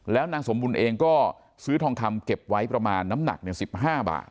แล้วนางสมบุญเองก็ซื้อทองคำเก็บไว้ประมาณน้ำหนัก๑๕บาท